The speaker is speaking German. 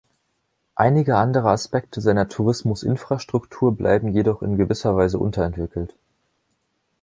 Einige andere Aspekte seiner Tourismusinfrastruktur bleiben jedoch in gewisser Weise unterentwickelt.